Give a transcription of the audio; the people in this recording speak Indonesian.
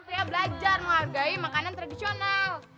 saya belajar menghargai makanan tradisional